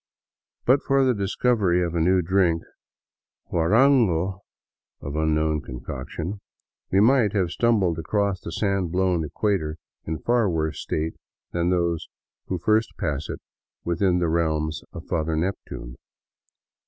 But for the dis covery of a new drink, — guarango, of unknown concoction — we might have stumbled across the sand blown equator in far worse state than those who first pass it within the realms of Father Neptune.